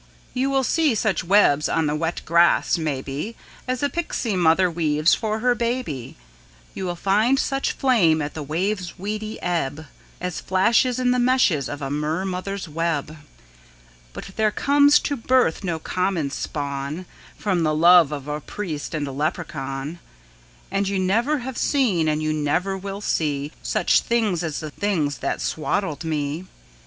You will see such webs on the wet grass, maybe, As a pixie mother weaves for her baby, You will find such flame at the wave's weedy ebb As flashes in the meshes of a mer mother's web, But there comes to birth no common spawn From the love of a priest and a leprechaun, And you never have seen and you never will see Such things as the things that swaddled me!